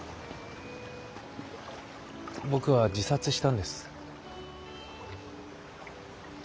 僕は自殺したんです。